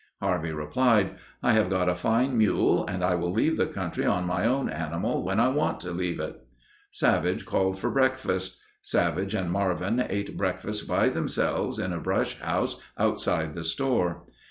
Harvey replied, "I have got a fine mule and I will leave the country on my own animal, when I want to leave it." Savage called for breakfast. Savage and Marvin ate breakfast by themselves in a brush house outside the store.